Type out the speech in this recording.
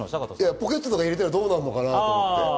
ポケットに入れたらどうなるかなと思って。